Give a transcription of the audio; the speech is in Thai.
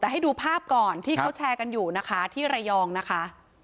แต่ให้ดูภาพก่อนที่เขาแชร์กันอยู่นะคะที่ระยองนะคะ